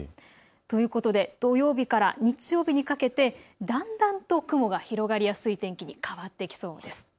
ということで土曜日から日曜日にかけてだんだんと雲が広がりやすい天気に変わっていきそうです。